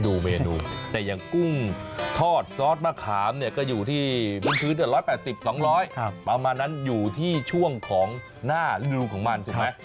ดูเมนูแต่อย่างกุ้งทอดซอสมะขามเนี่ยก็อยู่ที่บนพื้น๑๘๐๒๐๐ประมาณนั้นอยู่ที่ช่วงของหน้าฤดูของมันถูกไหม